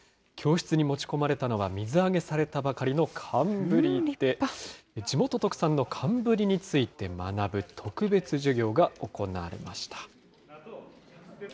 教室に持ち込まれたのは、水揚げされたばかりの寒ぶりで、地元特産の寒ぶりについて学ぶ、特別授業が行われました。